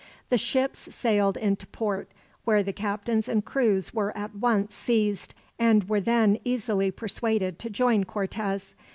The ships sailed into port, where the captains and crews were at once seized, and were then easily persuaded to join Cortez.